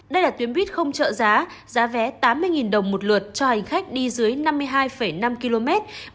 đây là tuyến buýt không trợ giá giá vé tám mươi đồng một lượt cho hành khách đi dưới năm mươi hai năm km